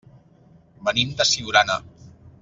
Venim de Siurana.